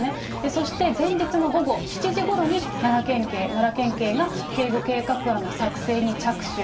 そして、前日の午後７時ごろに、奈良県警が警護計画案の作成に着手。